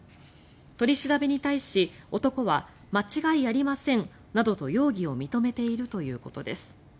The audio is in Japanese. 取り調べに対し男は間違いありませんなどと容疑を認めているということです。